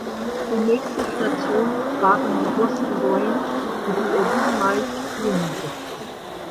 Die nächste Station waren die Boston Bruins, für die er sieben Mal spielen durfte.